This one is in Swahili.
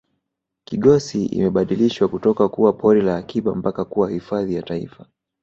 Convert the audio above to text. kigosi imebadilishwa kutoka kuwa pori la akiba mpaka kuwa hifadhi ya taifa